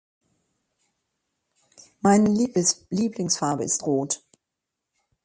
Meine Lieblingsfarbe ist rot.